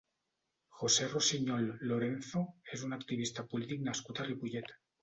José Rosiñol Lorenzo és un activista polític nascut a Ripollet.